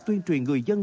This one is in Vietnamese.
tuyên truyền người dân